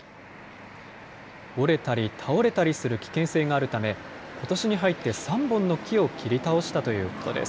折れたり倒れたりする危険性があるため、ことしに入って３本の木を切り倒したということです。